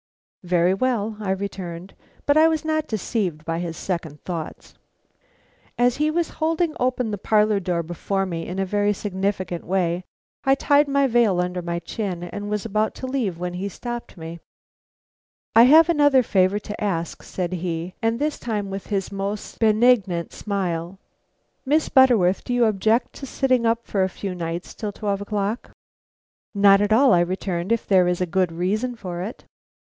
"Very well," I returned. But I was not deceived by his second thoughts. As he was holding open the parlor door before me in a very significant way, I tied my veil under my chin, and was about to leave when he stopped me. "I have another favor to ask," said he, and this time with his most benignant smile. "Miss Butterworth, do you object to sitting up for a few nights till twelve o'clock?" "Not at all," I returned, "if there is any good reason for it."